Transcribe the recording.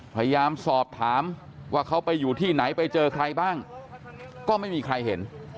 พยายามสอบถามว่าเขาไปอยู่ที่ไหนไปเจอใครบ้างก็ไม่มีใครเห็น